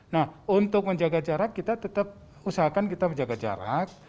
nah untuk menjaga jarak kita tetap usahakan kita menjaga jarak